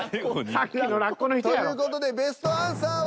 さっきのラッコの人やろ。という事でベストアンサーは？